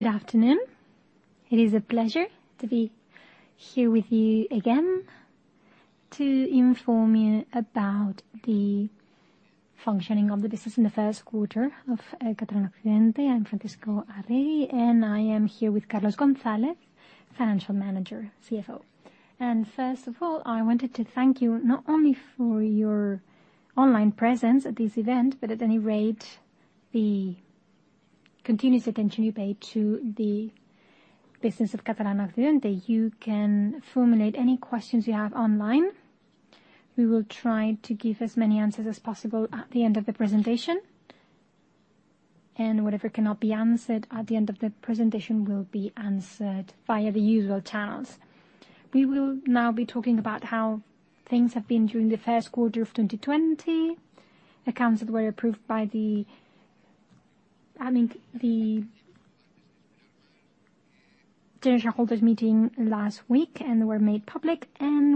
Good afternoon. It is a pleasure to be here with you again to inform you about the functioning of the business in the first quarter of Catalana Occidente. I'm Francisco Arregui, and I am here with Carlos González, Chief Financial Officer, CFO. First of all, I wanted to thank you not only for your online presence at this event, but at any rate, the continuous attention you pay to the business of Catalana Occidente. You can formulate any questions you have online. We will try to give as many answers as possible at the end of the presentation, and whatever cannot be answered at the end of the presentation will be answered via the usual channels. We will now be talking about how things have been during the first quarter of 2020, accounts that were approved by the general shareholders meeting last week and were made public.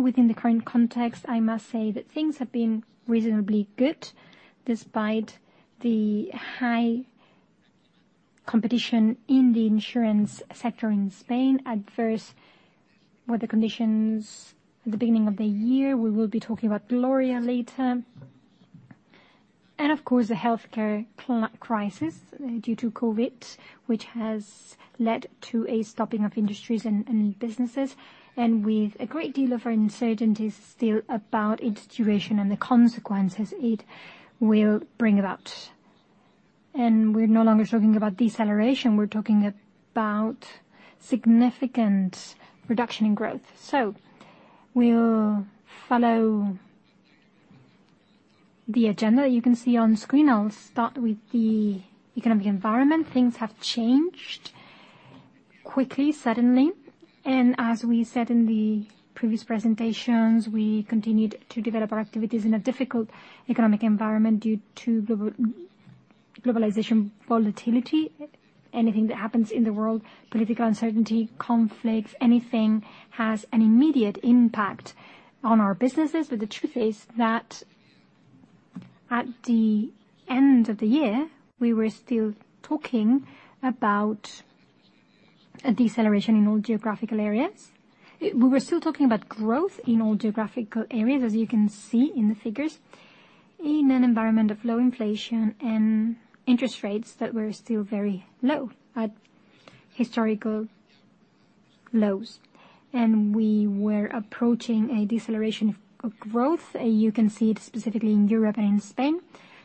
Within the current context, I must say that things have been reasonably good despite the high competition in the insurance sector in Spain, adverse weather conditions at the beginning of the year. We will be talking about Gloria later. Of course, the healthcare crisis due to COVID, which has led to a stopping of industries and businesses, and with a great deal of uncertainties still about its duration and the consequences it will bring about. We're no longer talking about deceleration, we're talking about significant reduction in growth. We'll follow the agenda you can see on screen. I'll start with the economic environment. Things have changed quickly, suddenly. As we said in the previous presentations, we continued to develop our activities in a difficult economic environment due to globalization volatility. Anything that happens in the world, political uncertainty, conflicts, anything, has an immediate impact on our businesses. The truth is that at the end of the year, we were still talking about a deceleration in all geographical areas. We were still talking about growth in all geographical areas, as you can see in the figures, in an environment of low inflation and interest rates that were still very low, at historical lows. We were approaching a deceleration of growth, you can see it specifically in Europe and in Spain.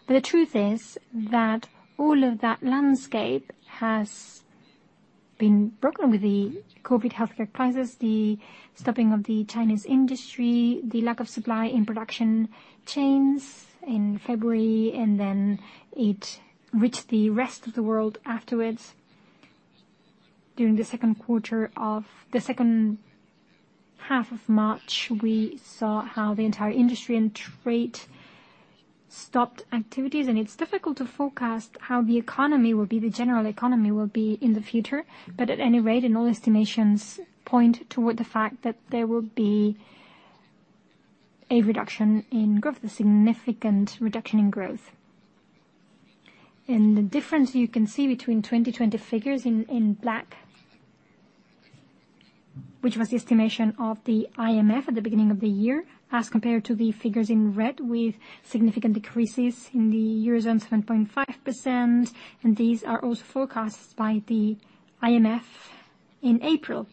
The truth is that all of that landscape has been broken with the COVID healthcare crisis, the stopping of the Chinese industry, the lack of supply in production chains in February, and then it reached the rest of the world afterwards. During the second half of March, we saw how the entire industry and trade stopped activities, and it's difficult to forecast how the general economy will be in the future. At any rate, and all estimations point toward the fact that there will be a reduction in growth, a significant reduction in growth. The difference you can see between 2020 figures in black, which was the estimation of the IMF at the beginning of the year, as compared to the figures in red, with significant decreases in the Eurozone, 7.5%, and these are also forecasts by the IMF in April.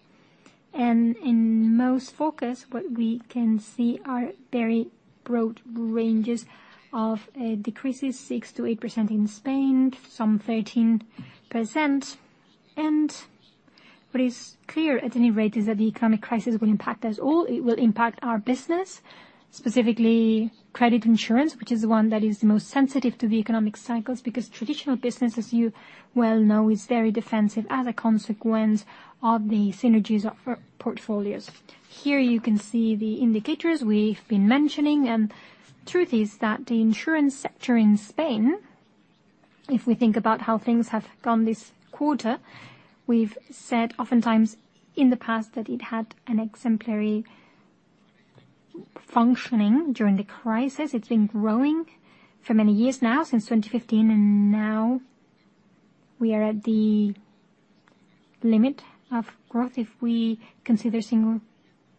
In most forecasts, what we can see are very broad ranges of decreases, 6%-8% in Spain, some 13%. What is clear, at any rate, is that the economic crisis will impact us all. It will impact our business, specifically credit insurance, which is the one that is the most sensitive to the economic cycles, because traditional business, as you well know, is very defensive as a consequence of the synergies of our portfolios. Truth is that the insurance sector in Spain, if we think about how things have gone this quarter, we've said oftentimes in the past that it had an exemplary functioning during the crisis. It's been growing for many years now, since 2015. Now we are at the limit of growth if we consider single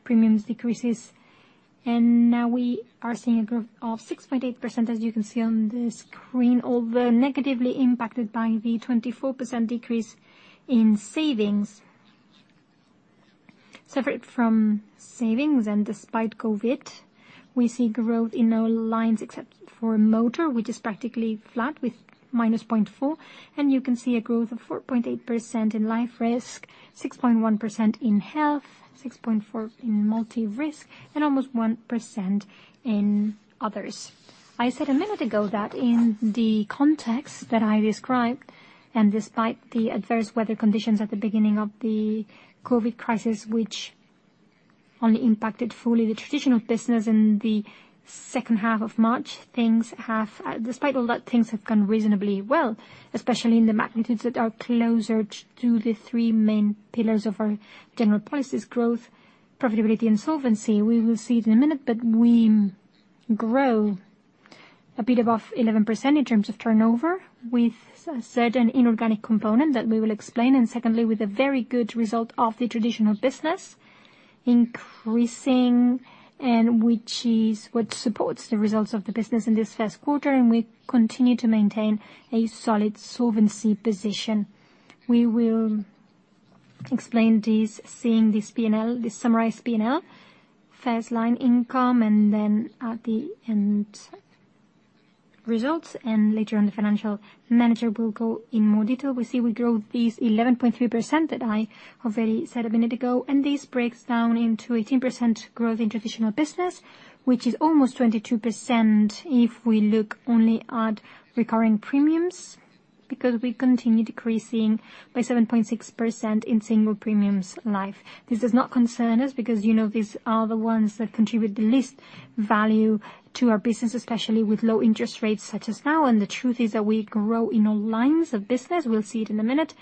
premiums decreases. Now we are seeing a growth of 6.8%, as you can see on the screen, although negatively impacted by the 24% decrease in savings. Separate from savings and despite COVID, we see growth in all lines except for motor, which is practically flat with -0.4%. You can see a growth of 4.8% in life risk, 6.1% in health, 6.4% in multi-risk, and almost 1% in others. I said a minute ago that in the context that I described, and despite the adverse weather conditions at the beginning of the COVID crisis, which only impacted fully the traditional business in the second half of March, despite all that, things have gone reasonably well. Especially in the magnitudes that are closer to the three main pillars of our general policies, growth, profitability, and solvency. We will see it in a minute, we grow a bit above 11% in terms of turnover, with a certain inorganic component that we will explain. Secondly, with a very good result of the traditional business, increasing, and which supports the results of the business in this first quarter, and we continue to maintain a solid solvency position. We will explain this, seeing this summarized P&L. First line income, and then at the end, results, and later on, the financial manager will go in more detail. We see we grow this 11.3% that I already said a minute ago, and this breaks down into 18% growth in traditional business, which is almost 22% if we look only at recurring premiums, because we continue decreasing by 7.6% in single premiums life. This does not concern us because these are the ones that contribute the least value to our business, especially with low interest rates such as now. The truth is that we grow in all lines of business. We'll see it in a minute.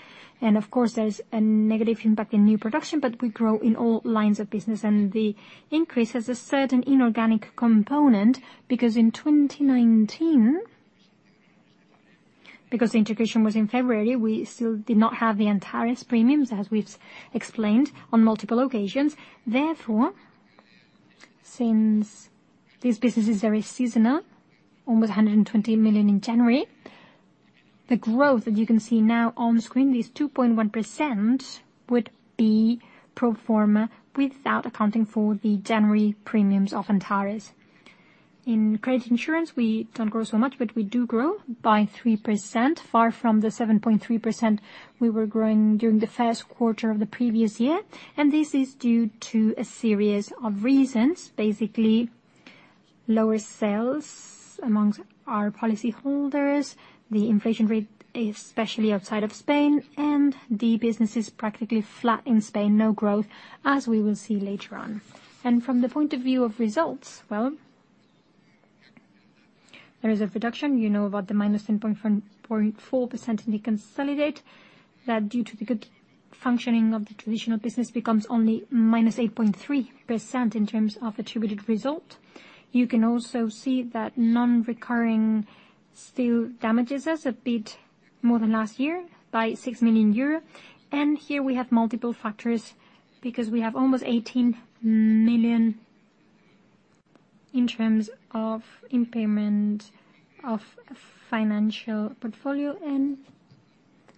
Of course, there's a negative impact in new production, but we grow in all lines of business. The increase has a certain inorganic component, because in 2019, because the integration was in February, we still did not have the entire premiums, as we've explained on multiple occasions. Therefore, since this business is very seasonal, almost 120 million in January, the growth that you can see now on screen, this 2.1%, would be pro forma without accounting for the January premiums of Antares. In credit insurance, we don't grow so much, but we do grow by 3%, far from the 7.3% we were growing during the first quarter of the previous year. This is due to a series of reasons, basically, lower sales amongst our policyholders, the inflation rate, especially outside of Spain, the business is practically flat in Spain, no growth, as we will see later on. From the point of view of results, well, there is a reduction. You know about the -10.4% in the consolidate, that due to the good functioning of the traditional business becomes only -8.3% in terms of attributed result. You can also see that non-recurring still damages us a bit more than last year by 6 million euro. Here we have multiple factors because we have almost 18 million in terms of impairment of financial portfolio,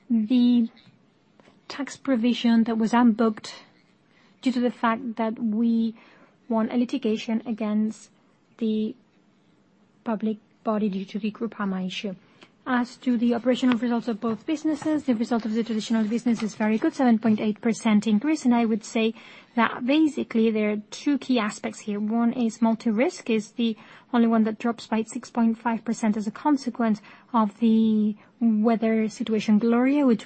the tax provision that was unbooked due to the fact that we won a litigation against the public body due to the Grupo A.M.A. issue. As to the operational results of both businesses, the result of the traditional business is very good, 7.8% increase. I would say that basically there are two key aspects here. One is multi-risk is the only one that drops by 6.5% as a consequence of the weather situation, Storm Gloria, which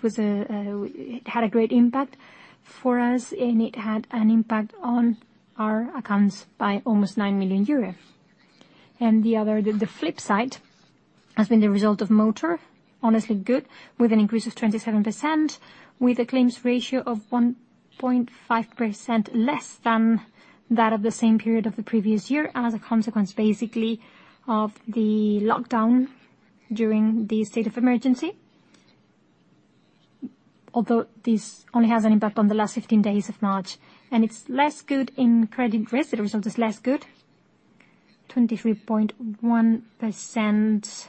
had a great impact for us, and it had an impact on our accounts by almost 9 million euro. The other, the flip side, has been the result of motor, honestly good, with an increase of 27%, with a claims ratio of 1.5% less than that of the same period of the previous year, and as a consequence, basically, of the lockdown during the state of emergency. Although this only has an impact on the last 15 days of March. It's less good in credit risk. The result is less good. 23.1%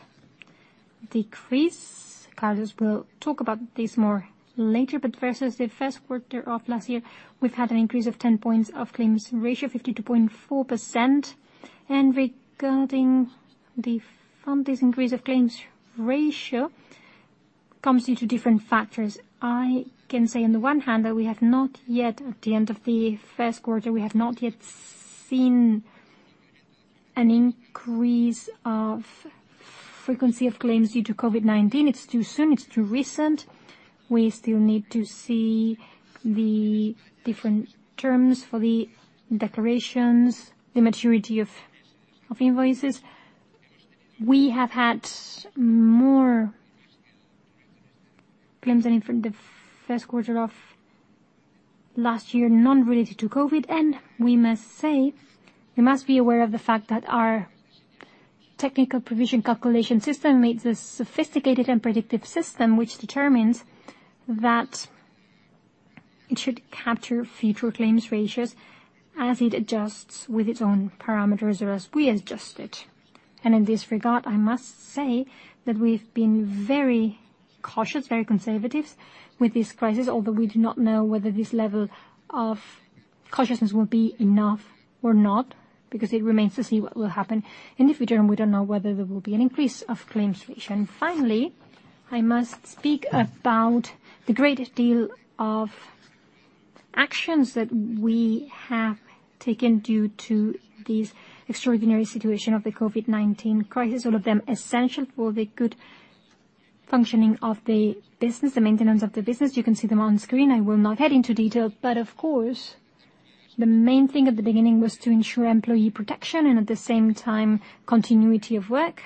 decrease. Carlos will talk about this more later. Versus the first quarter of last year, we've had an increase of 10 points of claims ratio, 52.4%. Regarding this increase of claims ratio, comes due to different factors. I can say on the one hand that we have not yet, at the end of the first quarter, we have not yet seen an increase of frequency of claims due to COVID-19. It's too soon. It's too recent. We still need to see the different terms for the declarations, the maturity of invoices. We have had more claims than in the first quarter of last year, non-related to COVID. We must be aware of the fact that our technical provision calculation system makes a sophisticated and predictive system, which determines that it should capture future claims ratios as it adjusts with its own parameters or as we adjust it. In this regard, I must say that we've been very cautious, very conservative with this crisis, although we do not know whether this level of cautiousness will be enough or not, because it remains to see what will happen in the future, and we don't know whether there will be an increase of claims ratio. Finally, I must speak about the great deal of actions that we have taken due to this extraordinary situation of the COVID-19 crisis, all of them essential for the good functioning of the business, the maintenance of the business. You can see them on screen. I will not get into detail. Of course, the main thing at the beginning was to ensure employee protection and, at the same time, continuity of work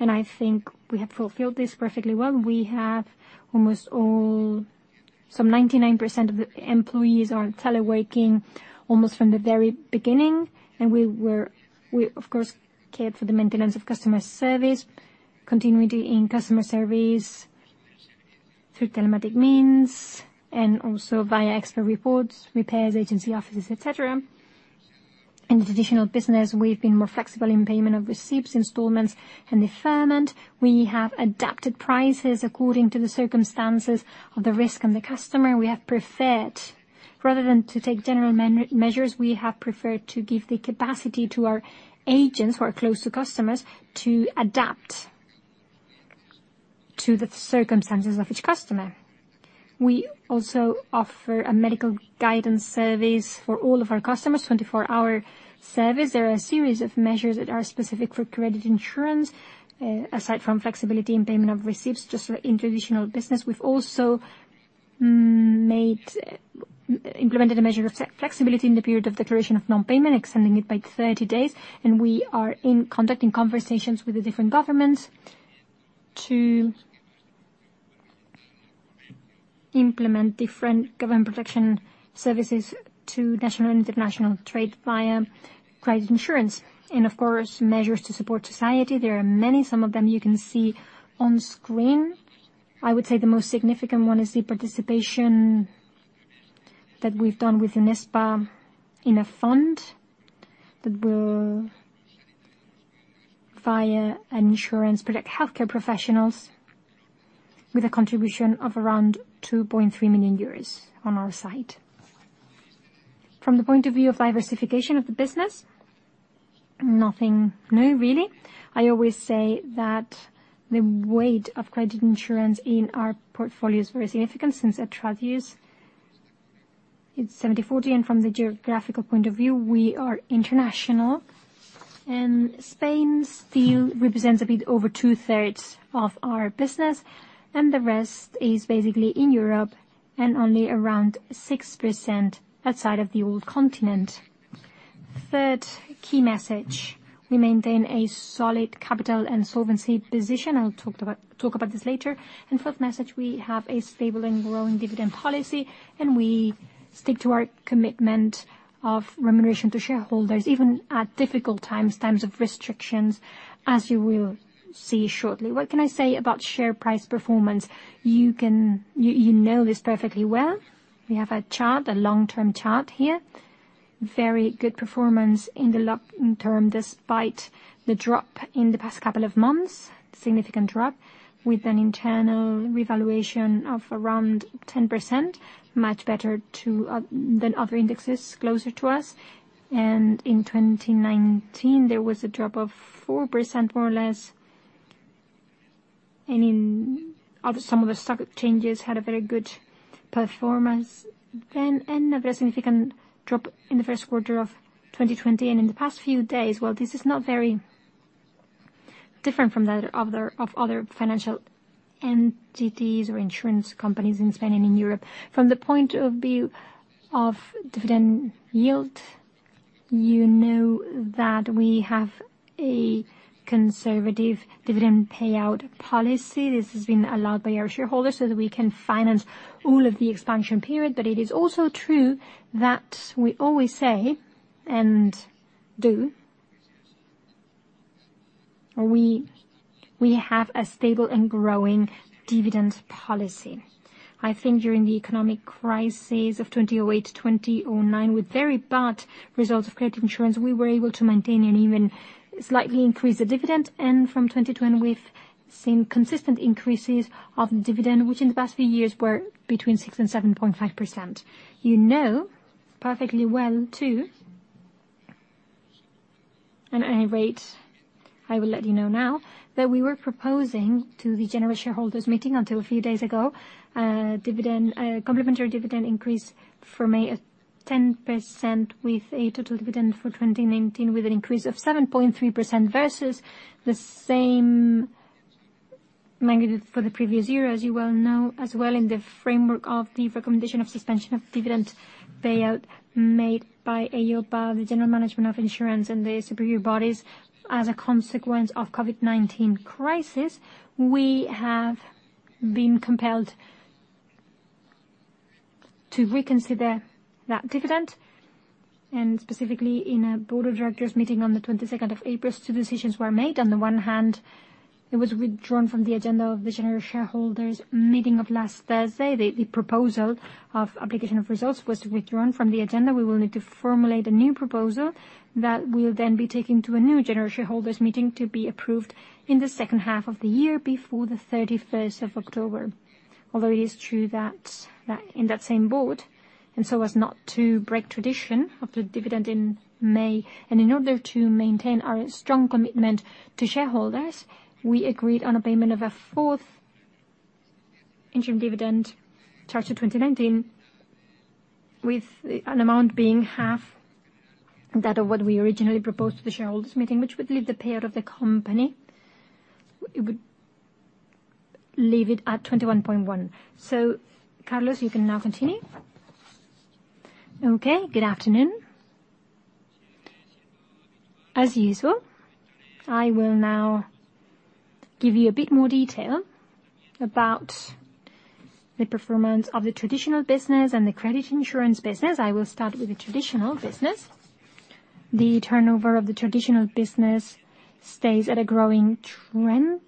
and I think we have fulfilled this perfectly well. We have almost all, some 99% of the employees are teleworking almost from the very beginning. We, of course, cared for the maintenance of customer service, continuity in customer service through telematic means, and also via expert reports, repairs, agency offices, et cetera. In the traditional business, we've been more flexible in payment of receipts, installments, and deferment. We have adapted prices according to the circumstances of the risk and the customer. Rather than to take general measures, we have preferred to give the capacity to our agents who are close to customers to adapt to the circumstances of each customer. We also offer a medical guidance service for all of our customers, 24-hour service. There are a series of measures that are specific for credit insurance, aside from flexibility in payment of receipts. Just like in traditional business, we've also implemented a measure of flexibility in the period of declaration of non-payment, extending it by 30 days. We are conducting conversations with the different governments to implement different government protection services to national and international trade via credit insurance. Of course, measures to support society. There are many. Some of them you can see on screen. I would say the most significant one is the participation that we've done with UNESPA in a fund that will, via insurance, protect healthcare professionals with a contribution of around 2.3 million euros on our side. From the point of view of diversification of the business, nothing new, really. I always say that the weight of credit insurance in our portfolio is very significant since it translates. It's 70/40, and from the geographical point of view, we are international. Spain still represents a bit over two-thirds of our business, the rest is basically in Europe, and only around 6% outside of the old continent. Third key message, we maintain a solid capital and solvency position. I'll talk about this later. Fourth message, we have a stable and growing dividend policy, and we stick to our commitment of remuneration to shareholders even at difficult times of restrictions, as you will see shortly. What can I say about share price performance? You know this perfectly well. We have a chart, a long-term chart here. Very good performance in the long term, despite the drop in the past couple of months, significant drop, with an internal revaluation of around 10%, much better than other indexes closer to us. In 2019, there was a drop of 4%, more or less. Some of the stock changes had a very good performance, a very significant drop in the first quarter of 2020, in the past few days, while this is not very different from that of other financial entities or insurance companies in Spain and in Europe. From the point of view of dividend yield, you know that we have a conservative dividend payout policy. This has been allowed by our shareholders so that we can finance all of the expansion period. It is also true that we always say and do, we have a stable and growing dividends policy. I think during the economic crisis of 2008 to 2009, with very bad results of credit insurance, we were able to maintain and even slightly increase the dividend. From 2010, we've seen consistent increases of dividend, which in the past few years were between six and 7.5%. You know perfectly well, too, and at any rate, I will let you know now, that we were proposing to the general shareholders meeting until a few days ago, a complimentary dividend increase for May of 10%, with a total dividend for 2019 with an increase of 7.3%, versus the same magnitude for the previous year, as you well know. As well in the framework of the recommendation of suspension of dividend payout made by EIOPA, the General Management of Insurance, and the superior bodies. As a consequence of COVID-19 crisis, we have been compelled to reconsider that dividend, and specifically in a board of directors meeting on the 22nd of April, two decisions were made. On the one hand, it was withdrawn from the agenda of the general shareholders meeting of last Thursday. The proposal of application of results was withdrawn from the agenda. We will need to formulate a new proposal that will be taken to a new general shareholders meeting to be approved in the second half of the year, before the 31st of October. Although it is true that in that same board, as not to break tradition of the dividend in May, in order to maintain our strong commitment to shareholders, we agreed on a payment of a fourth interim dividend charged to 2019, with an amount being half that of what we originally proposed to the shareholders' meeting, which would leave the payout of the company, it would leave it at 21.1. Carlos, you can now continue. Okay. Good afternoon. As usual, I will now give you a bit more detail about the performance of the traditional business and the credit insurance business. I will start with the traditional business. The turnover of the traditional business stays at a growing trend,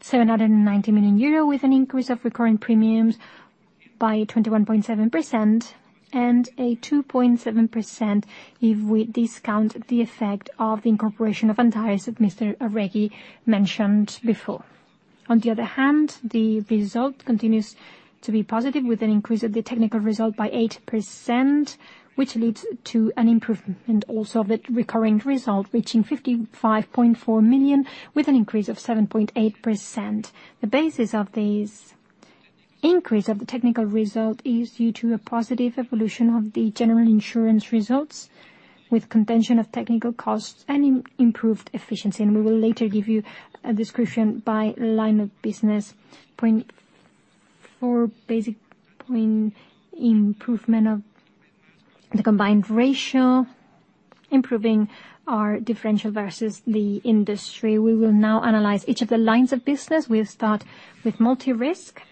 790 million euro, with an increase of recurring premiums by 21.7% and a 2.7% if we discount the effect of the incorporation of Antares that Mr. Arregui mentioned before. The result continues to be positive with an increase of the technical result by 8%, which leads to an improvement also of the recurring result, reaching 55.4 million, with an increase of 7.8%. The basis of this increase of the technical result is due to a positive evolution of the general insurance results with contention of technical costs and improved efficiency. We will later give you a description by line of business. 0.4 basis point improvement of the combined ratio, improving our differential versus the industry. We will now analyze each of the lines of business. We'll start with multi-risk,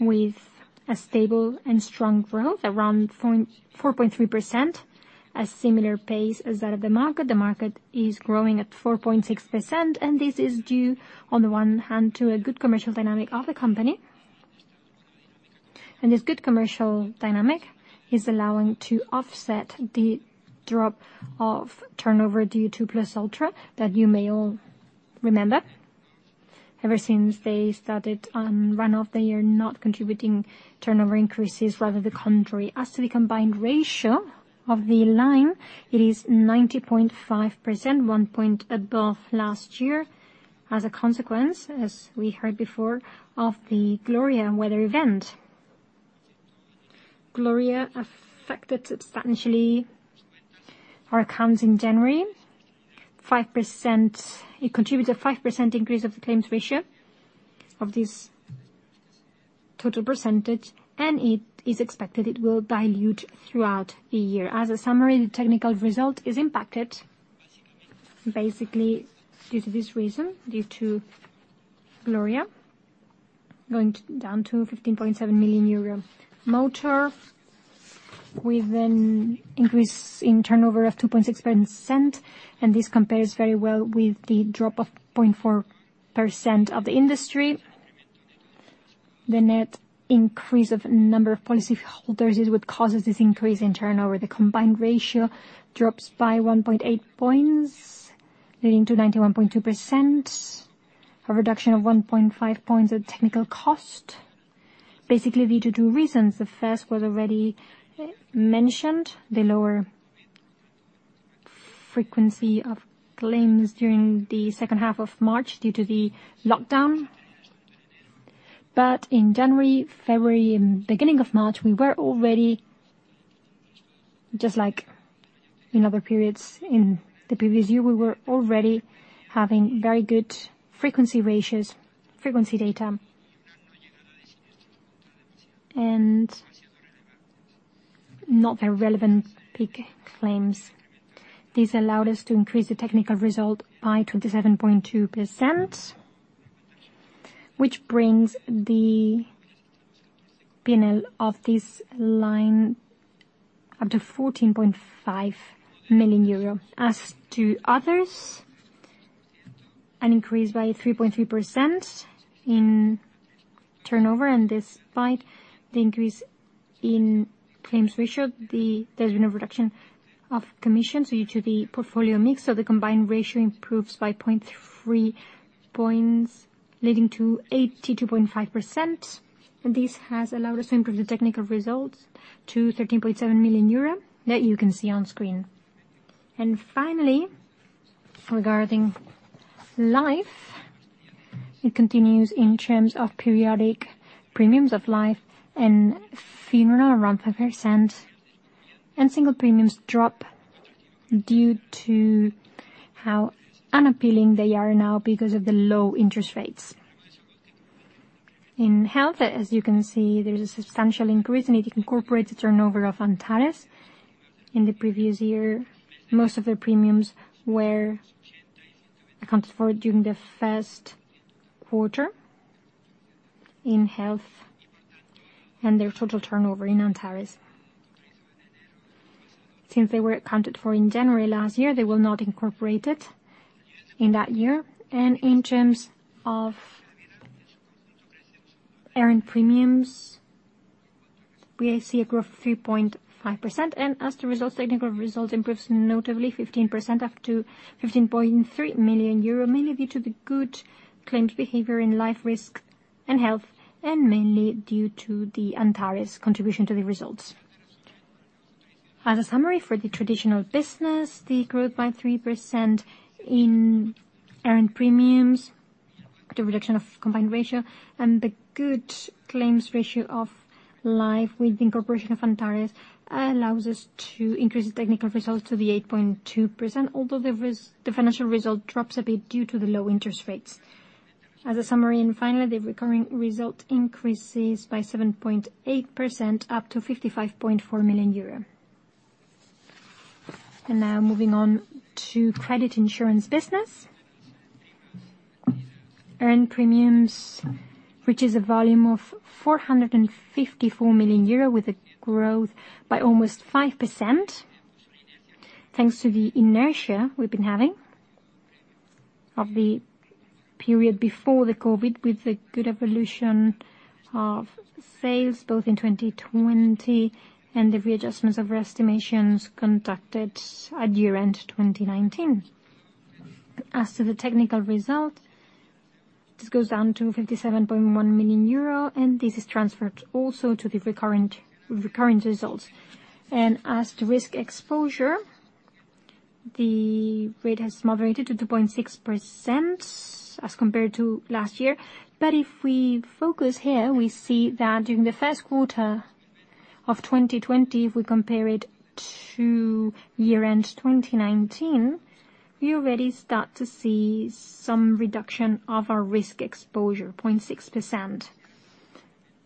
with a stable and strong growth around 4.3%, a similar pace as that of the market. The market is growing at 4.6%. This is due, on the one hand, to a good commercial dynamic of the company. This good commercial dynamic is allowing to offset the drop of turnover due to Plus Ultra that you may all remember. Ever since they started on runoff, they are not contributing turnover increases, rather the contrary. As to the combined ratio of the line, it is 90.5%, one point above last year, as a consequence, as we heard before, of Storm Gloria. Gloria affected substantially our accounts in January. It contributed 5% increase of the claims ratio of this total percentage. It is expected it will dilute throughout the year. As a summary, the technical result is impacted basically due to this reason, due to Gloria going down to 15.7 million euro. Motor, with an increase in turnover of 2.6%. This compares very well with the drop of 0.4% of the industry. The net increase of number of policyholders is what causes this increase in turnover. The combined ratio drops by 1.8 points, leading to 91.2%. A reduction of 1.5 points of technical cost, basically due to two reasons. The first was already mentioned, the lower frequency of claims during the second half of March due to the lockdown. In January, February, and beginning of March, we were already having very good frequency ratios, frequency data, and not a relevant big claims. This allowed us to increase the technical result by 27.2%, which brings the P&L of this line up to 14.5 million euro. As to others, an increase by 3.3% in turnover, and despite the increase in claims ratio, there's been a reduction of commission due to the portfolio mix, so the combined ratio improves by 0.3 points, leading to 82.5%. This has allowed us to improve the technical results to 13.7 million euro that you can see on screen. Finally, regarding life, it continues in terms of periodic premiums of life and funeral around 5%, and single premiums drop due to how unappealing they are now because of the low interest rates. In health, as you can see, there is a substantial increase. It incorporates the turnover of Antares. In the previous year, most of their premiums were accounted for during the first quarter in health and their total turnover in Antares. Since they were accounted for in January last year, they were not incorporated in that year. In terms of earned premiums, we see a growth of 3.5%. As the results, technical results improves notably 15% up to 15.3 million euro, mainly due to the good claims behavior in life risk and health, and mainly due to the Antares contribution to the results. As a summary for the traditional business, the growth by 3% in earned premiums, the reduction of combined ratio, and the good claims ratio of life with incorporation of Antares allows us to increase the technical results to the 8.2%, although the financial result drops a bit due to the low interest rates. As a summary, and finally, the recurring result increases by 7.8%, up to 55.4 million euro. Now moving on to credit insurance business. Earned premiums reaches a volume of 454 million euro with a growth by almost 5%, thanks to the inertia we've been having of the period before the COVID, with the good evolution of sales both in 2020 and the readjustments of our estimations conducted at year-end 2019. As to the technical result, this goes down to 57.1 million euro, and this is transferred also to the recurring results. As to risk exposure, the rate has moderated to 2.6% as compared to last year. If we focus here, we see that during the first quarter of 2020, if we compare it to year-end 2019, we already start to see some reduction of our risk exposure, 0.6%.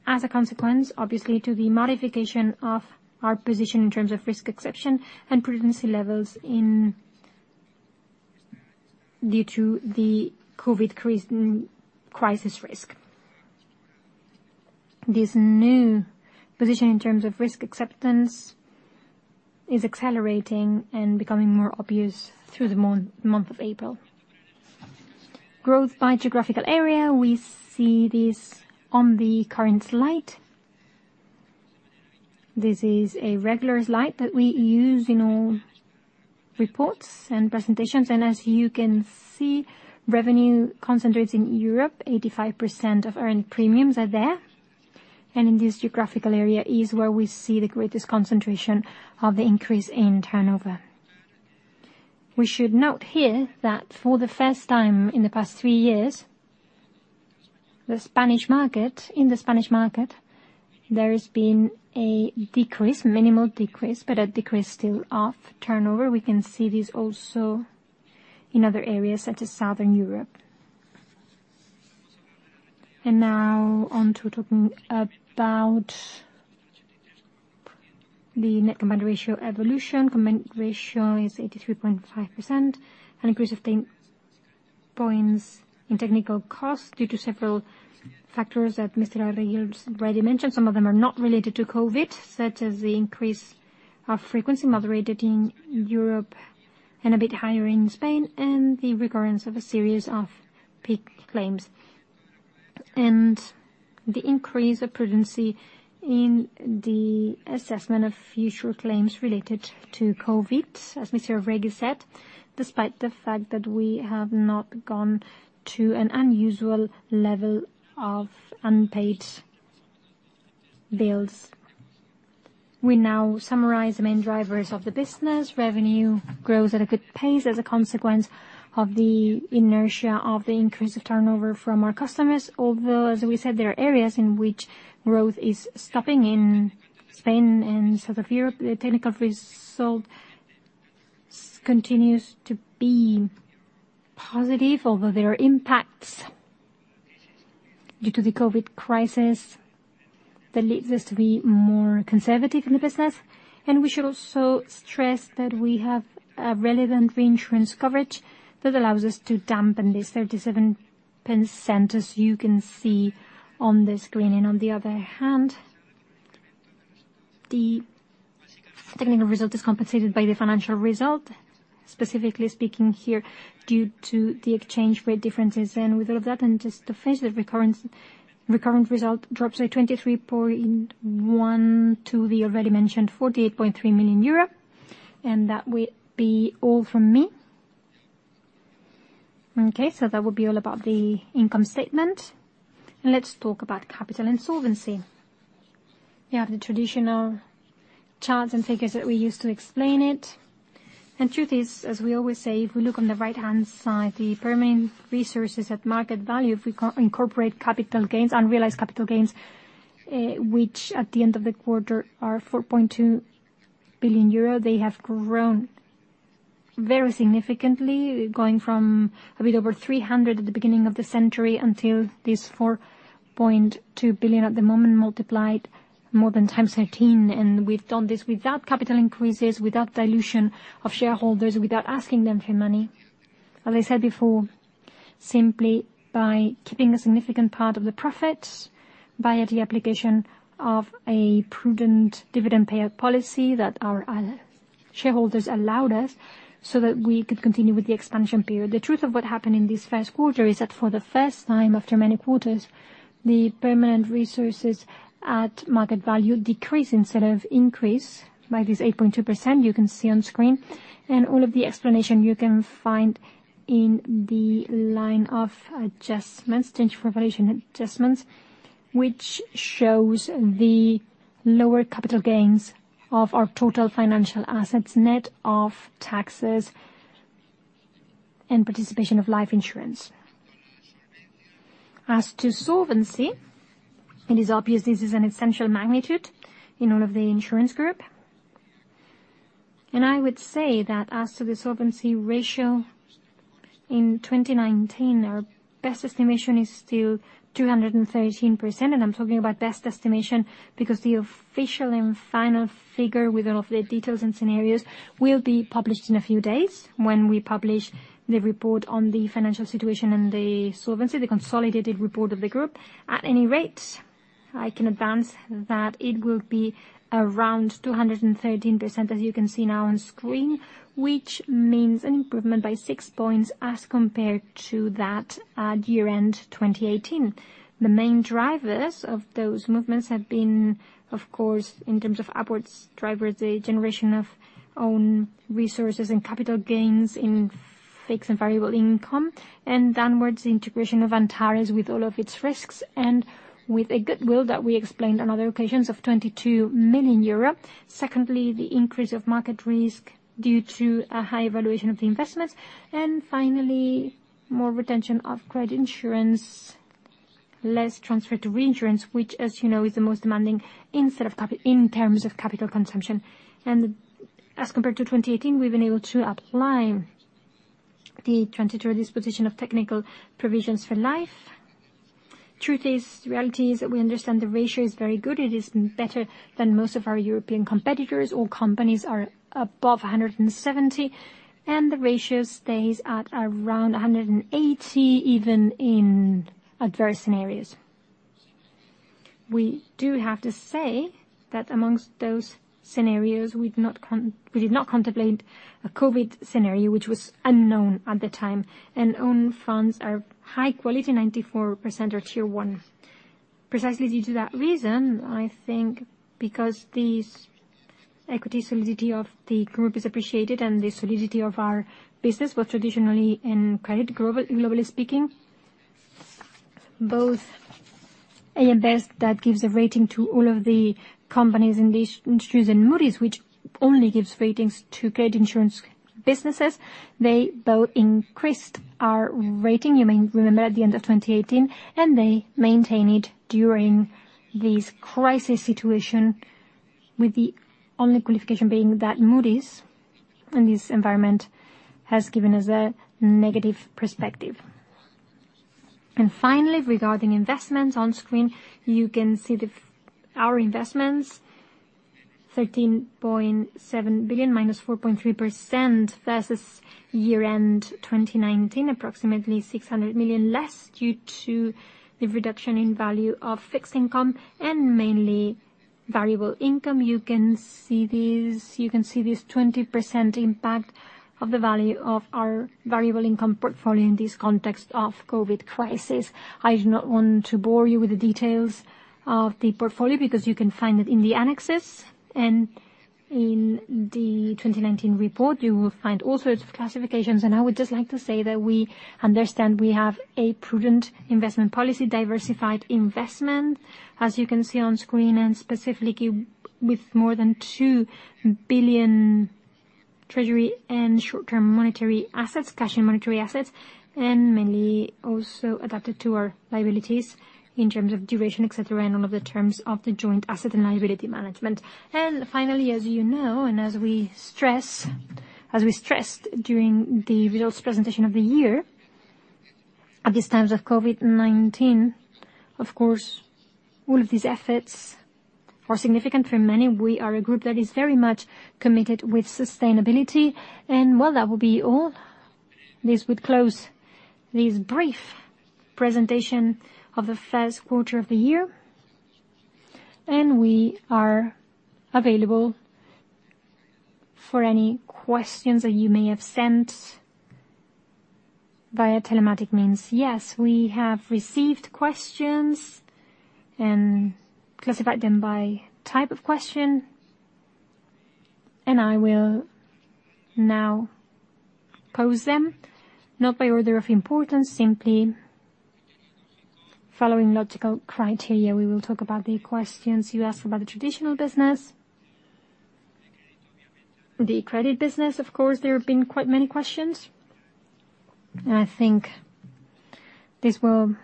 As a consequence, obviously, to the modification of our position in terms of risk exception and prudency levels due to the COVID crisis risk. This new position in terms of risk acceptance is accelerating and becoming more obvious through the month of April. Growth by geographical area, we see this on the current slide. This is a regular slide that we use in all reports and presentations. As you can see, revenue concentrates in Europe, 85% of earned premiums are there. In this geographical area is where we see the greatest concentration of the increase in turnover. We should note here that for the first time in the past three years, in the Spanish market, there has been a minimal decrease, but a decrease still of turnover. We can see this also in other areas, such as Southern Europe. Now on to talking about the net combined ratio evolution. Combined ratio is 83.5%, an increase of 10 points in technical cost due to several factors that Mr. Arregui already mentioned. Some of them are not related to COVID, such as the increase of frequency moderated in Europe and a bit higher in Spain, and the recurrence of a series of peak claims. The increase of prudency in the assessment of future claims related to COVID, as Mr. Arregui said, despite the fact that we have not gone to an unusual level of unpaid bills. We now summarize the main drivers of the business. Revenue grows at a good pace as a consequence of the inertia of the increase of turnover from our customers, although, as we said, there are areas in which growth is stopping in Spain and South of Europe. The technical result continues to be positive, although there are impacts due to the COVID crisis that leads us to be more conservative in the business. We should also stress that we have a relevant reinsurance coverage that allows us to dampen this 37%, as you can see on the screen. On the other hand, the technical result is compensated by the financial result, specifically speaking here, due to the exchange rate differences and with all of that, and just to finish, the recurring result drops by 23.1% to the already mentioned 48.3 million euro. That will be all from me. Okay, that will be all about the income statement. Let's talk about capital and solvency. You have the traditional charts and figures that we use to explain it. Truth is, as we always say, if we look on the right-hand side, the permanent resources at market value, if we incorporate unrealized capital gains, which at the end of the quarter are 4.2 billion euro, they have grown very significantly, going from a bit over 300 at the beginning of the century until this 4.2 billion at the moment, multiplied more than times 13. We've done this without capital increases, without dilution of shareholders, without asking them for money. As I said before, simply by keeping a significant part of the profits via the application of a prudent dividend payout policy that our shareholders allowed us so that we could continue with the expansion period. The truth of what happened in this first quarter is that for the first time after many quarters, the permanent resources at market value decrease instead of increase by this 8.2% you can see on screen. All of the explanation you can find in the line of adjustments, change of valuation adjustments, which shows the lower capital gains of our total financial assets net of taxes and participation of life insurance. As to solvency, it is obvious this is an essential magnitude in all of the insurance group. I would say that as to the solvency ratio in 2019, our best estimation is still 213%. I'm talking about best estimation because the official and final figure with all of the details and scenarios will be published in a few days when we publish the report on the financial situation and the solvency, the consolidated report of the group. At any rate, I can advance that it will be around 213%, as you can see now on screen, which means an improvement by six points as compared to that at year-end 2018. The main drivers of those movements have been, of course, in terms of upwards drivers, the generation of own resources and capital gains in fixed and variable income. Downwards, the integration of Antares with all of its risks and with a goodwill that we explained on other occasions of 22 million euro. Secondly, the increase of market risk due to a high valuation of the investments. Finally, more retention of credit insurance, less transfer to reinsurance, which as you know, is the most demanding in terms of capital consumption. As compared to 2018, we've been able to apply the transitory disposition of technical provisions for life. Truth is, reality is, we understand the ratio is very good. It is better than most of our European competitors. All companies are above 170, and the ratio stays at around 180, even in adverse scenarios. We do have to say that amongst those scenarios, we did not contemplate a COVID scenario, which was unknown at the time, and own funds are high quality, 94% are Tier 1. Precisely due to that reason, I think because the equity solidity of the group is appreciated and the solidity of our business was traditionally in credit, globally speaking. Both AM Best, that gives a rating to all of the companies in these industries, and Moody's, which only gives ratings to credit insurance businesses, they both increased our rating, you may remember, at the end of 2018, and they maintain it during this crisis situation with the only qualification being that Moody's, in this environment, has given us a negative perspective. Finally, regarding investments, on screen, you can see our investments, 13.7 billion, minus 4.3% versus year-end 2019, approximately 600 million less due to the reduction in value of fixed income and mainly variable income. You can see this 20% impact of the value of our variable income portfolio in this context of COVID crisis. I do not want to bore you with the details of the portfolio, because you can find it in the annexes. In the 2019 report, you will find all sorts of classifications. I would just like to say that we understand we have a prudent investment policy, diversified investment, as you can see on screen, specifically with more than 2 billion treasury and short-term monetary assets, cash and monetary assets, and mainly also adapted to our liabilities in terms of duration, etc., and all of the terms of the joint asset and liability management. Finally, as you know, as we stressed during the results presentation of the year, at these times of COVID-19, of course, all of these efforts are significant for many. We are a group that is very much committed with sustainability. Well, that will be all. This would close this brief presentation of the first quarter of the year. We are available for any questions that you may have sent via telematic means. Yes, we have received questions and classified them by type of question, and I will now pose them, not by order of importance, simply following logical criteria. We will talk about the questions you asked about the traditional business. The credit business, of course, there have been quite many questions. I think this will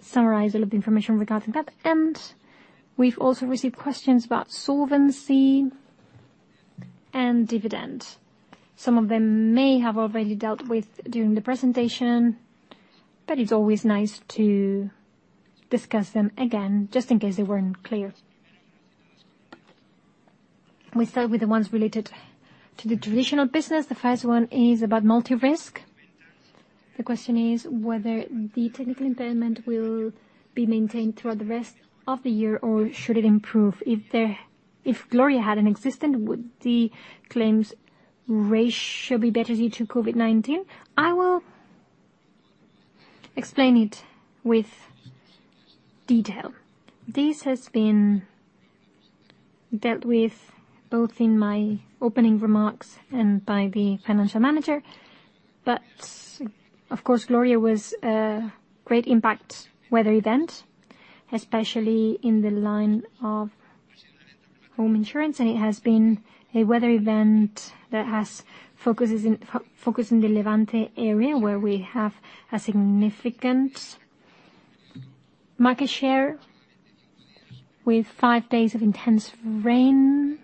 summarize a little information regarding that. We've also received questions about solvency and dividend. Some of them may have already dealt with during the presentation, but it's always nice to discuss them again just in case they weren't clear. We start with the ones related to the traditional business. The first one is about multi-risk. The question is whether the technical impairment will be maintained throughout the rest of the year or should it improve. If Gloria hadn't existed, would the claims ratio be better due to COVID-19? I will explain it with detail. This has been dealt with both in my opening remarks and by the financial manager. Of course, Storm Gloria was a great impact weather event, especially in the line of home insurance, and it has been a weather event that has focused in the Levante area, where we have a significant market share with five days of intense rain.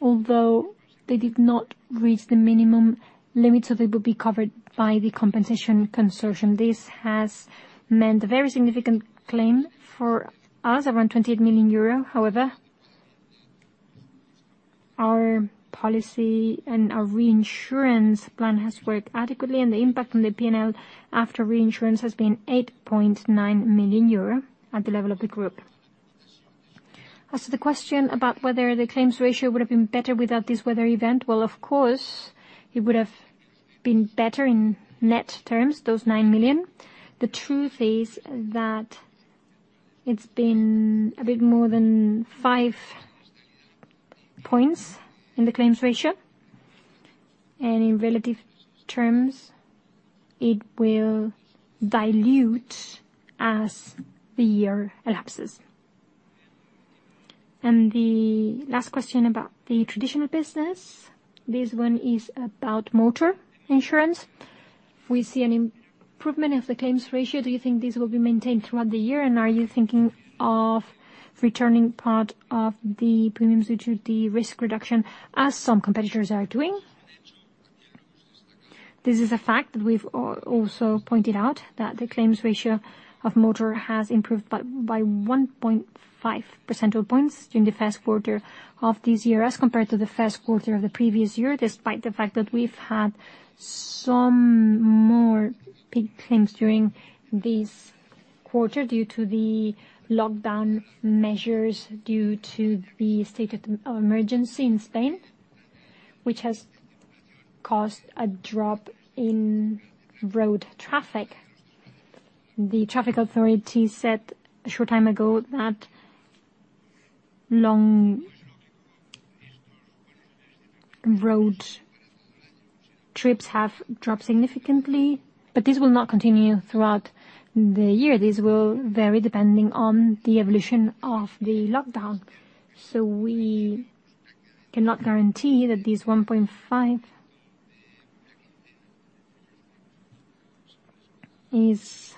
Although they did not reach the minimum limits that would be covered by the Compensation Consortium. This has meant a very significant claim for us, around 28 million euro. However, our policy and our reinsurance plan has worked adequately, and the impact on the P&L after reinsurance has been 8.9 million euro at the level of the group. As to the question about whether the claims ratio would have been better without this weather event, well, of course, it would have been better in net terms, those 9 million. The truth is that it's been a bit more than five points in the claims ratio, and in relative terms, it will dilute as the year elapses. The last question about the traditional business. This one is about motor insurance. We see an improvement of the claims ratio. Do you think this will be maintained throughout the year, and are you thinking of returning part of the premiums due to the risk reduction as some competitors are doing? This is a fact that we've also pointed out that the claims ratio of motor has improved by 1.5 percentile points during the first quarter of this year as compared to the first quarter of the previous year, despite the fact that we've had some more big claims during this quarter due to the lockdown measures, due to the state of emergency in Spain, which has caused a drop in road traffic. The traffic authority said a short time ago that long road trips have dropped significantly, this will not continue throughout the year. This will vary depending on the evolution of the lockdown. We cannot guarantee that this 1.5 is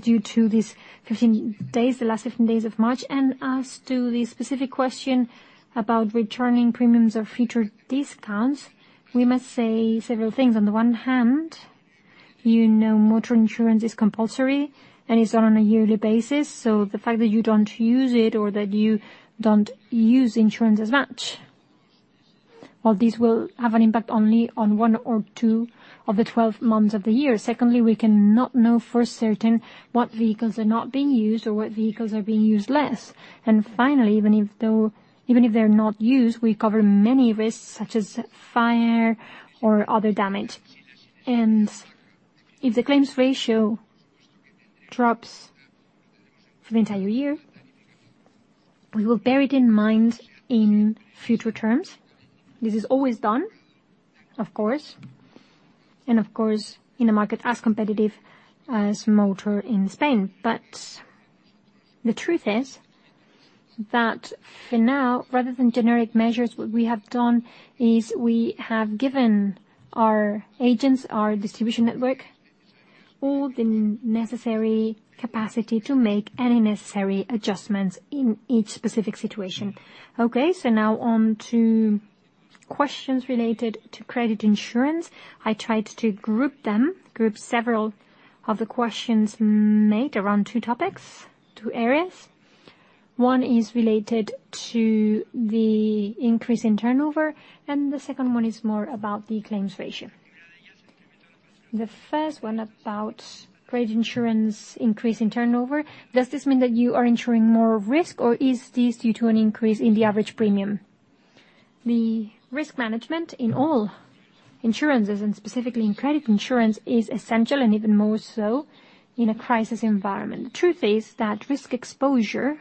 due to these 15 days, the last 15 days of March. As to the specific question about recurring premiums or future discounts, we must say several things. On the one hand, you know motor insurance is compulsory, and it's on a yearly basis. The fact that you don't use it or that you don't use insurance as much, well, this will have an impact only on one or two of the 12 months of the year. Secondly, we cannot know for certain what vehicles are not being used or what vehicles are being used less. Finally, even if they're not used, we cover many risks, such as fire or other damage. If the claims ratio drops for the entire year, we will bear it in mind in future terms. This is always done, of course. Of course, in a market as competitive as motor in Spain. The truth is that for now, rather than generic measures, what we have done is we have given our agents, our distribution network, all the necessary capacity to make any necessary adjustments in each specific situation. Now on to questions related to credit insurance. I tried to group them, group several of the questions made around two topics, two areas. One is related to the increase in turnover, and the second one is more about the claims ratio. The first one about credit insurance increase in turnover. Does this mean that you are ensuring more risk, or is this due to an increase in the average premium? The risk management in all insurances, and specifically in credit insurance, is essential, and even more so in a crisis environment. The truth is that risk exposure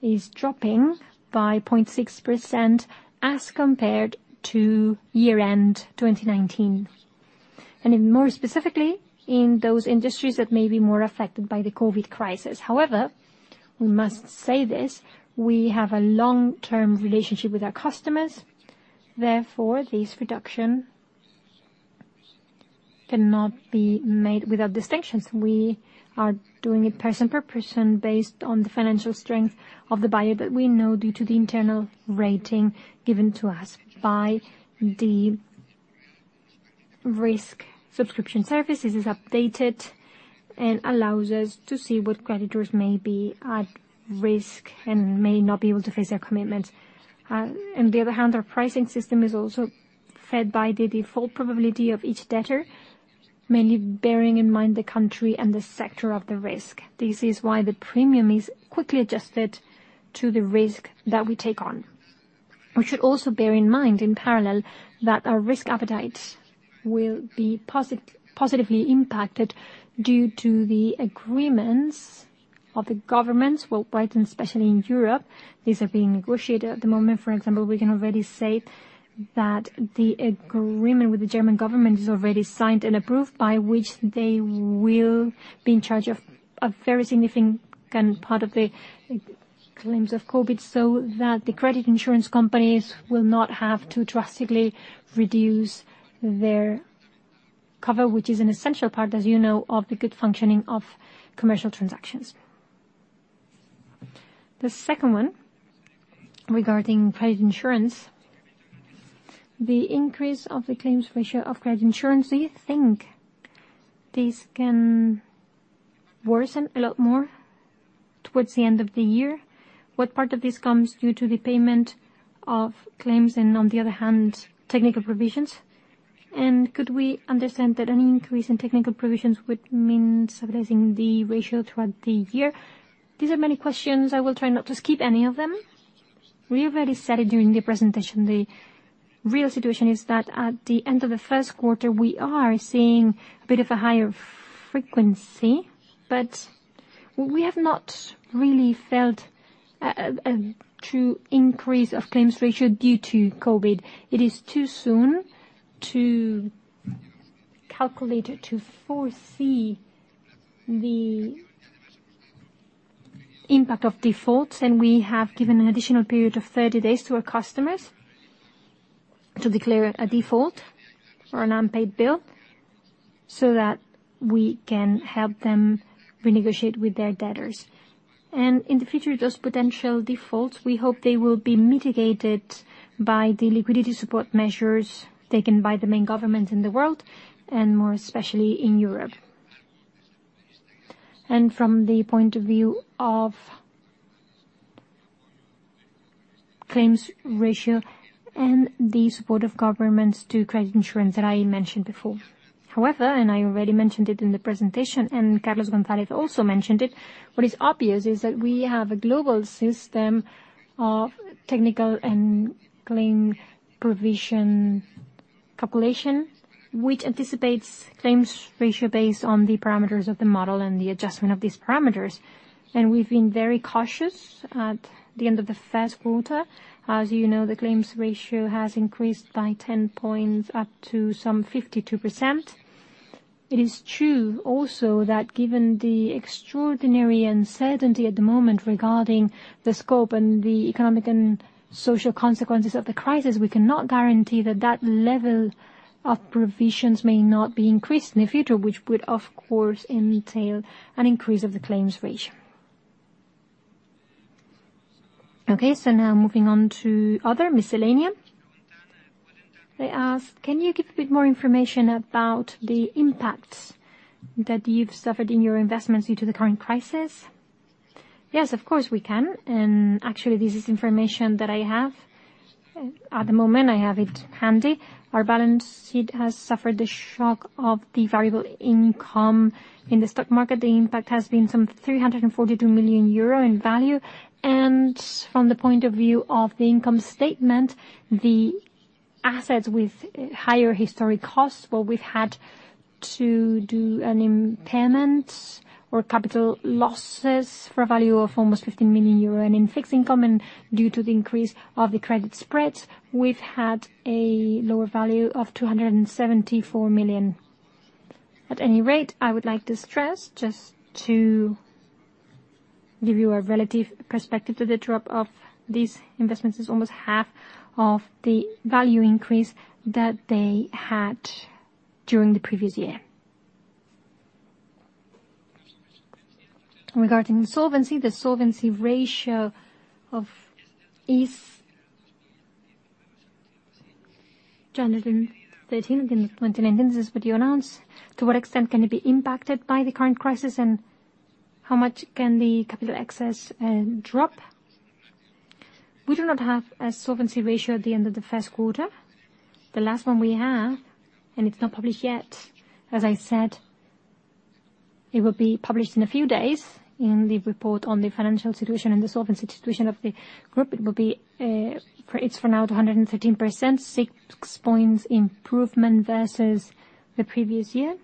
is dropping by 0.6% as compared to year-end 2019, and more specifically, in those industries that may be more affected by the COVID crisis. However, we must say this, we have a long-term relationship with our customers. Therefore, this reduction cannot be made without distinctions. We are doing it person per person based on the financial strength of the buyer that we know due to the internal rating given to us by the risk subscription service. This is updated and allows us to see what creditors may be at risk and may not be able to face their commitments. On the other hand, our pricing system is also fed by the default probability of each debtor, mainly bearing in mind the country and the sector of the risk. This is why the premium is quickly adjusted to the risk that we take on. We should also bear in mind, in parallel, that our risk appetite will be positively impacted due to the agreements of the governments, worldwide and especially in Europe. These are being negotiated at the moment. For example, we can already say that the agreement with the German government is already signed and approved, by which they will be in charge of a very significant part of the claims of COVID, so that the credit insurance companies will not have to drastically reduce their cover, which is an essential part, as you know, of the good functioning of commercial transactions. The second one, regarding credit insurance. The increase of the claims ratio of credit insurance, do you think this can worsen a lot more towards the end of the year? What part of this comes due to the payment of claims and on the other hand, technical provisions? Could we understand that any increase in technical provisions would mean stabilizing the ratio throughout the year? These are many questions. I will try not to skip any of them. We already said it during the presentation. The real situation is that at the end of the first quarter, we are seeing a bit of a higher frequency, but we have not really felt a true increase of claims ratio due to COVID. It is too soon to calculate it, to foresee the impact of defaults, and we have given an additional period of 30 days to our customers to declare a default or an unpaid bill so that we can help them renegotiate with their debtors. In the future, those potential defaults, we hope they will be mitigated by the liquidity support measures taken by the main governments in the world and more especially in Europe. From the point of view of claims ratio and the support of governments to credit insurance that I mentioned before. However, I already mentioned it in the presentation, and Carlos González also mentioned it, what is obvious is that we have a global system of technical and claim provision calculation, which anticipates claims ratio based on the parameters of the model and the adjustment of these parameters. We've been very cautious at the end of the first quarter. As you know, the claims ratio has increased by 10 points, up to some 52%. It is true also that given the extraordinary uncertainty at the moment regarding the scope and the economic and social consequences of the crisis, we cannot guarantee that that level of provisions may not be increased in the future, which would, of course, entail an increase of the claims ratio. Now moving on to other miscellanea. They ask, can you give a bit more information about the impacts that you've suffered in your investments due to the current crisis? Yes, of course, we can. Actually, this is information that I have. At the moment, I have it handy. Our balance sheet has suffered the shock of the variable income in the stock market. The impact has been some €342 million in value. From the point of view of the income statement, the assets with higher historic costs, well, we've had to do an impairment or capital losses for a value of almost EURO 15 million. In fixed income, and due to the increase of the credit spreads, we've had a lower value of 274 million. At any rate, I would like to stress, just to give you a relative perspective to the drop of these investments, is almost half of the value increase that they had during the previous year. Regarding solvency, the solvency ratio is 213% in 2019, as you announced. To what extent can it be impacted by the current crisis, and how much can the capital excess drop? We do not have a solvency ratio at the end of the first quarter. The last one we have, and it's not published yet, as I said, it will be published in a few days in the report on the financial situation and the solvency situation of the group. It's for now at 213%, 6 points improvement versus the previous year.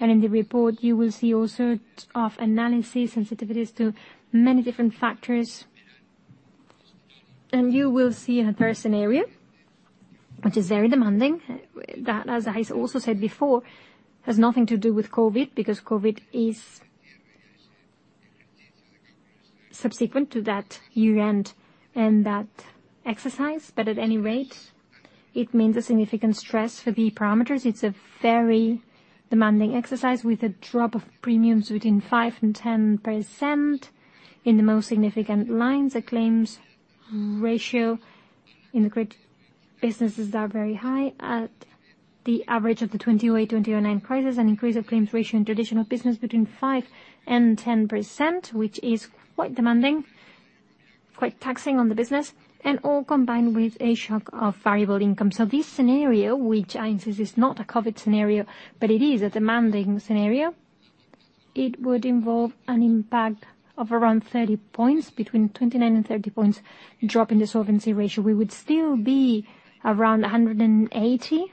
In the report, you will see also analysis sensitivities to many different factors. You will see in the third scenario, which is very demanding, that, as I also said before, has nothing to do with COVID because COVID is subsequent to that year-end and that exercise. At any rate, it means a significant stress for the parameters. It's a very demanding exercise with a drop of premiums between 5%-10% in the most significant lines. The claims ratio in the credit businesses are very high at the average of the 2008, 2009 crisis. An increase of claims ratio in traditional business between 5%-10%, which is quite demanding, quite taxing on the business, and all combined with a shock of variable income. This scenario, which I insist is not a COVID scenario, but it is a demanding scenario. It would involve an impact of around 30 points, between 29 and 30 points drop in the solvency ratio. We would still be around 180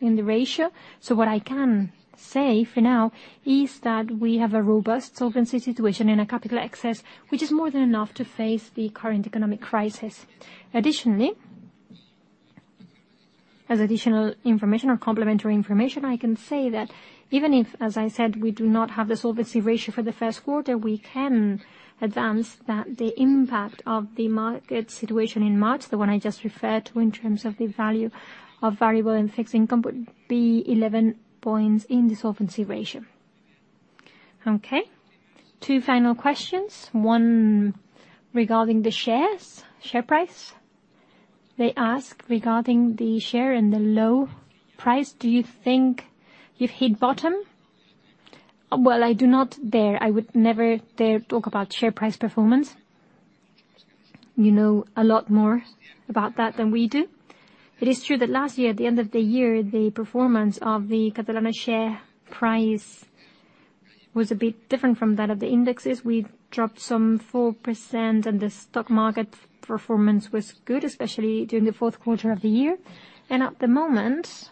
in the ratio. What I can say for now is that we have a robust solvency situation and a capital excess, which is more than enough to face the current economic crisis. Additionally, as additional information or complementary information, I can say that even if, as I said, we do not have the solvency ratio for the first quarter, we can advance that the impact of the market situation in March, the one I just referred to in terms of the value of variable and fixed income, would be 11 points in the solvency ratio. Okay. Two final questions. One regarding the shares, share price. They ask regarding the share and the low price, do you think you've hit bottom? Well, I do not dare. I would never dare talk about share price performance. You know a lot more about that than we do. It is true that last year, at the end of the year, the performance of the Catalana share price was a bit different from that of the indexes. We dropped some 4%, the stock market performance was good, especially during the fourth quarter of the year. At the moment,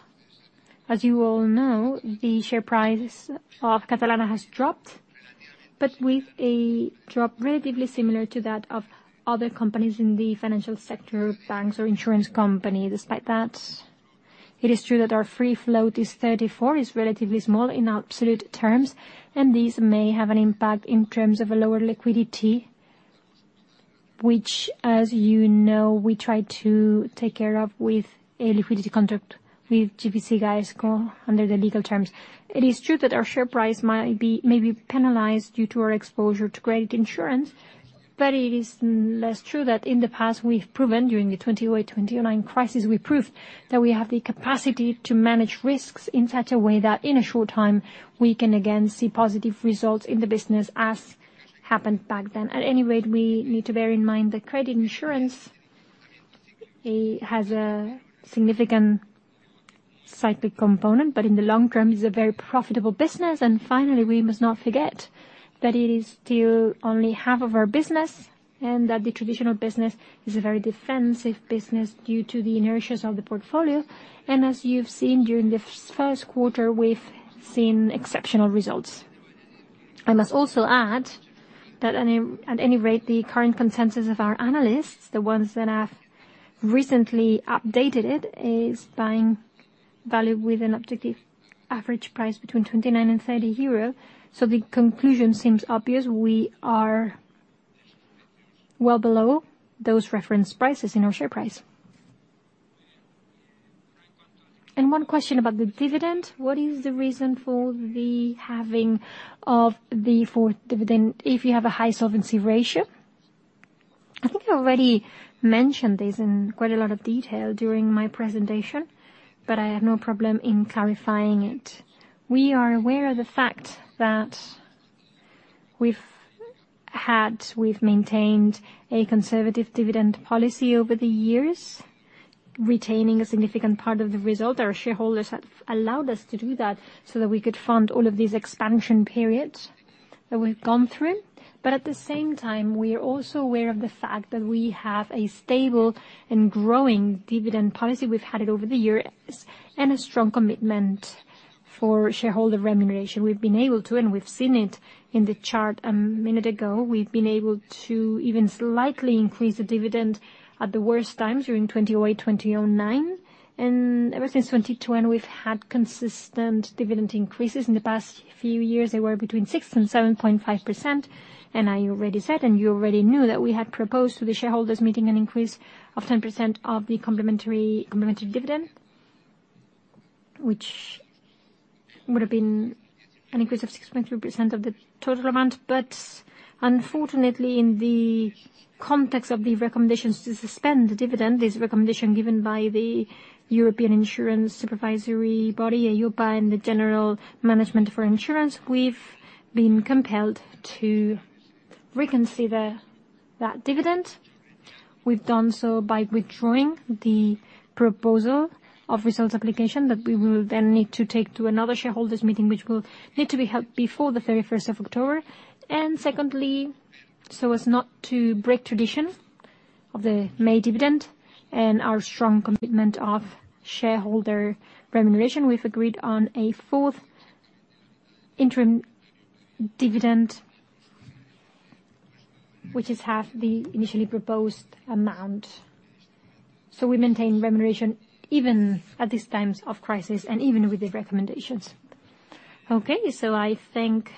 as you all know, the share price of Catalana has dropped, but with a drop relatively similar to that of other companies in the financial sector, banks or insurance companies. Despite that, it is true that our free float is 34, is relatively small in absolute terms, and this may have an impact in terms of a lower liquidity, which, as you know, we try to take care of with a liquidity contract with GVC Gaesco under the legal terms. It is true that our share price may be penalized due to our exposure to credit insurance, but it is less true that in the past we've proven, during the 2008-2009 crisis, we proved that we have the capacity to manage risks in such a way that in a short time, we can again see positive results in the business as happened back then. At any rate, we need to bear in mind that credit insurance has a significant cyclic component, but in the long term, is a very profitable business. Finally, we must not forget that it is still only half of our business and that the traditional business is a very defensive business due to the inertias of the portfolio. As you've seen during the first quarter, we've seen exceptional results. I must also add that at any rate, the current consensus of our analysts, the ones that have recently updated it, is buying value with an objective average price between 29 and 30 euro. The conclusion seems obvious. We are well below those reference prices in our share price. One question about the dividend. What is the reason for the halving of the fourth dividend if you have a high solvency ratio? I think I already mentioned this in quite a lot of detail during my presentation, I have no problem in clarifying it. We are aware of the fact that we've maintained a conservative dividend policy over the years, retaining a significant part of the result. Our shareholders have allowed us to do that so that we could fund all of these expansion periods that we've gone through. At the same time, we are also aware of the fact that we have a stable and growing dividend policy, we've had it over the years, and a strong commitment for shareholder remuneration. We've been able to, we've seen it in the chart a minute ago. We've been able to even slightly increase the dividend at the worst times during 2008-2009. Ever since 2010, we've had consistent dividend increases. In the past few years, they were between 6% and 7.5%, I already said, and you already knew that we had proposed to the shareholders meeting an increase of 10% of the complementary dividend, which would have been an increase of 6.3% of the total amount. Unfortunately, in the context of the recommendations to suspend the dividend, this recommendation given by the European Insurance and Occupational Pensions Authority, EIOPA, and the Dirección General de Seguros y Fondos de Pensiones, we've been compelled to reconsider that dividend. We've done so by withdrawing the proposal of results application that we will then need to take to another shareholders meeting, which will need to be held before the 31st of October. Secondly, so as not to break tradition of the May dividend and our strong commitment of shareholder remuneration, we've agreed on a fourth interim dividend, which is half the initially proposed amount. We maintain remuneration even at these times of crisis and even with the recommendations. Okay. I think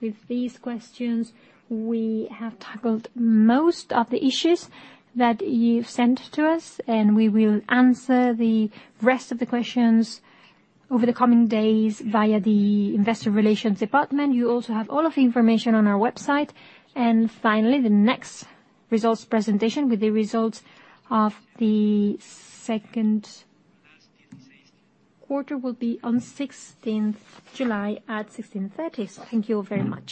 with these questions, we have tackled most of the issues that you've sent to us, and we will answer the rest of the questions over the coming days via the investor relations department. You also have all of the information on our website. Finally, the next results presentation with the results of the second quarter will be on 16th July at 4:30 P.M. Thank you very much.